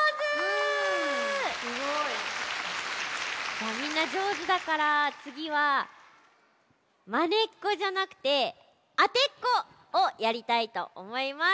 もうみんなじょうずだからつぎはまねっこじゃなくてあてっこをやりたいとおもいます。